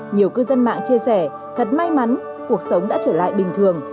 nhiều cư dân mạng chia sẻ thật may mắn cuộc sống đã trở lại bình thường